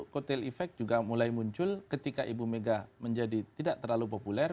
kotel efek juga mulai muncul ketika ibu mega menjadi tidak terlalu populer